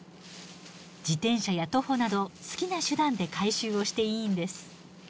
自転車や徒歩など好きな手段で回収をしていいんです。